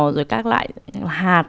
rồi các loại hạt